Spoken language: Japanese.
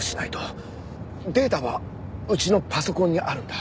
データはうちのパソコンにあるんだ。